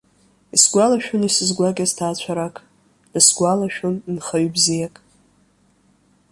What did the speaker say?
Исгәалашәон исызгәакьаз ҭаацәарак, дысгәалашәон нхаҩ бзиак.